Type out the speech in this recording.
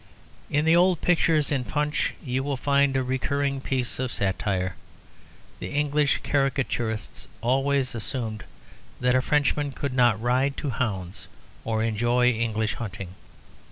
In the old pictures in Punch you will find a recurring piece of satire. The English caricaturists always assumed that a Frenchman could not ride to hounds or enjoy English hunting.